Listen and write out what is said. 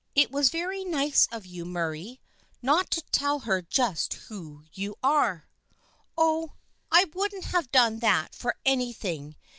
It was very nice of you, Murray, not to tell her just who you are." " Oh, I wouldn't have done that for anything.